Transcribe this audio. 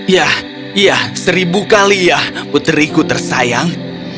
ya iya seribu kali ya putriku tersayang